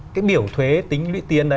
cái biểu thuế tính luyện tiến